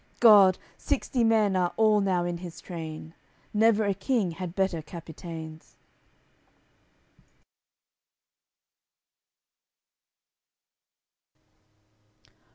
God! Sixty men are all now in his train! Never a king had better Capitains.